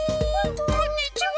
こんにちは。